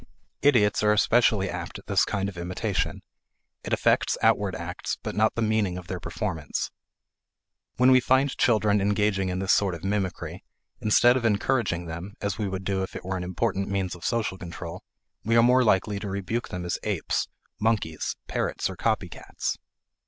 Idiots are especially apt at this kind of imitation; it affects outward acts but not the meaning of their performance. When we find children engaging in this sort of mimicry, instead of encouraging them (as we would do if it were an important means of social control) we are more likely to rebuke them as apes, monkeys, parrots, or copy cats.